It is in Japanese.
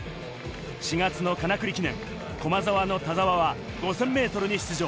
４月の金栗記念、駒澤の田澤は５０００ｍに出場。